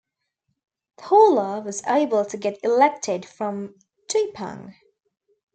Thawla was able to get elected from Tuipang.